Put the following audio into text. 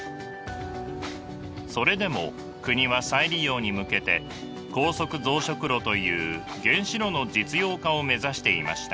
それでも国は再利用に向けて高速増殖炉という原子炉の実用化を目指していました。